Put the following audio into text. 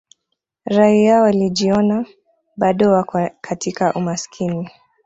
raia walijiona bado wako katika umasikini